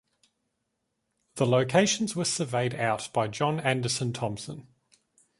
The locations were surveyed out by John Anderson-Thompson.